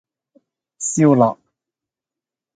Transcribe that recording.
燒臘